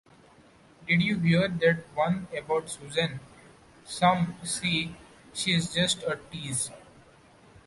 Did you hear that one about Susan, some say she's just a tease.